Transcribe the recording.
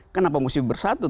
kenapa mesti bersatu